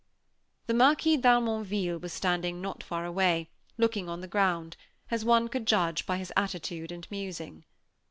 The Marquis d'Harmonville was standing not far away, looking on the ground, as one could judge by his attitude and musing.